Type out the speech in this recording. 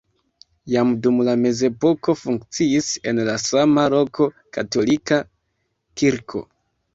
Jam dum la mezepoko funkciis en la sama loko katolika kirko.